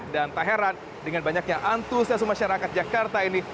dan tak heran dengan banyaknya antusiasu masyarakat jakarta ini